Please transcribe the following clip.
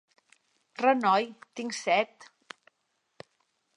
Renoi, tinc set.